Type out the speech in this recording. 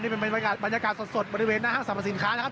เป็นบรรยากาศสดบริเวณหน้าห้างสรรพสินค้านะครับ